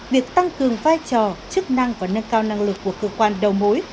việc tăng cường vai trò chức năng và nâng cao năng lực của cơ quan đầu mối